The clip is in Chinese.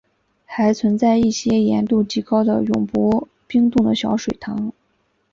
还存在一些盐度极高的永不冰冻的小水塘。